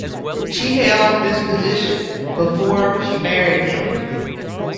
She held this position before she married him.